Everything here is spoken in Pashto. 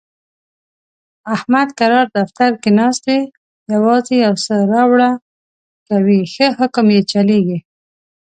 احمد کرار دفتر کې ناست وي، یووازې یوسه راوړه کوي، ښه حکم یې چلېږي.